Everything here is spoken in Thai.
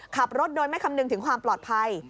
ขับรถโดยไม่คำนึงถึงความปลอดภัย